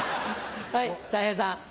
はいたい平さん。